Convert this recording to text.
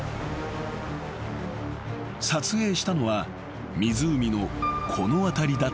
［撮影したのは湖のこの辺りだったという］